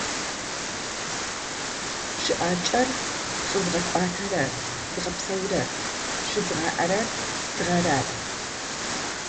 Щыӏакӏэр лъызгъэкӏуатэрэр, зыгъэпсэурэр, щызгъаӏэрэр тыгъэр ары.